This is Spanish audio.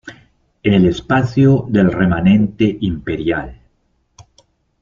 En el espacio del Remanente Imperial.